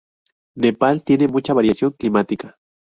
Nepal tiene mucha variación climática.